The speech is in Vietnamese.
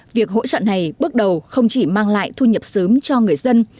việc hỗ trợ này bước đầu không chỉ mang lại thu nhập sớm cho người dân